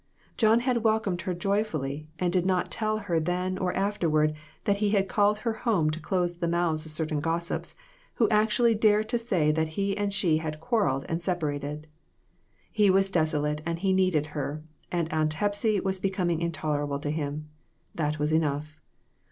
John had wel comed her joyfully, and did not tell her then or afterward that he had called her home to close the mouths of certain gossips, who had actually dared to say that he and she had quarreled and sepa rated ! He was desolate and he needed her, and Aunt Hepsy was becoming intolerable to him. That was enough.